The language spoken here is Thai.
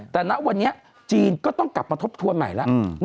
แต่ณวันนี้จีนก็ต้องกลับมาทบทวนใหม่แล้ว